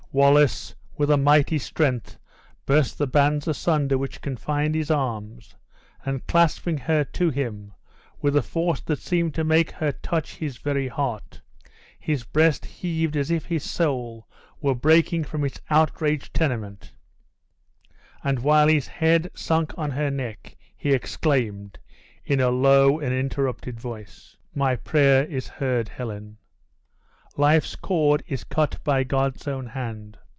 Wallace, with a mighty strength, burst the bands asunder which confined his arms, and clasping her to him with a force that seemed to make her touch his very heart, his breast heaved as if his soul were breaking from its outraged tenement; and, while his head sunk on her neck, he exclaimed, in a low and interrupted voice: "My prayer is heard, Helen! Life's cord is cut by God's own hand!